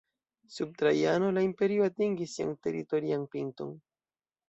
Sub Trajano, la imperio atingis sian teritorian pinton.